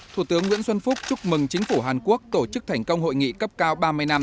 thủ tướng nguyễn xuân phúc chúc mừng chính phủ hàn quốc tổ chức thành công hội nghị cấp cao ba mươi năm